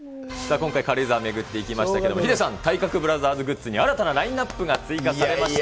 今回、軽井沢巡っていきましたけれども、ヒデさん、体格ブラザーズグッズに新たなラインナップが追加されました。